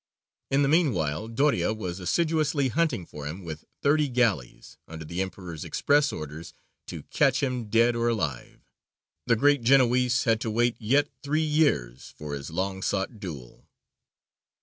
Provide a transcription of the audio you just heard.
In the meanwhile Doria was assiduously hunting for him with thirty galleys, under the emperor's express orders to catch him dead or alive. The great Genoese had to wait yet three years for his long sought duel.